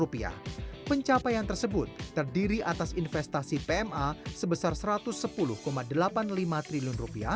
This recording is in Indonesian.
pencapaian tersebut terdiri atas investasi pma sebesar rp satu ratus sepuluh delapan puluh lima triliun